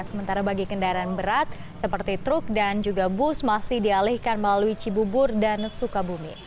sementara bagi kendaraan berat seperti truk dan juga bus masih dialihkan melalui cibubur dan sukabumi